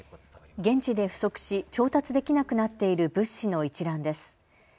現地で不足し調達できなくなっている物資の一覧です。